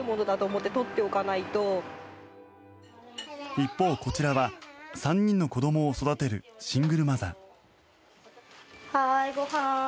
一方、こちらは３人の子どもを育てるシングルマザー。